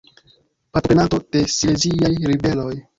Partoprenanto de Sileziaj Ribeloj.